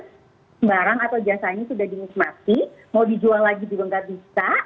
mau dijual lagi juga nggak bisa